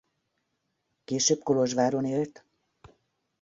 Később Kolozsváron élt.